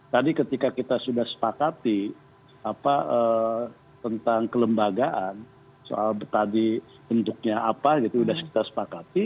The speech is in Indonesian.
tadi ketika kita sudah sepakati tentang kelembagaan soal bentuknya apa